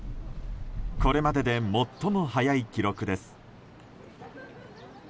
これまでで最も早い記録です。